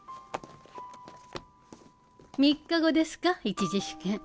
３日後ですか１次試験。